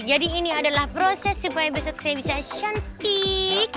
jadi ini adalah proses supaya besok saya bisa cantik